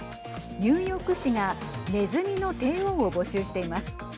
ニューヨーク市がねずみの帝王を募集しています。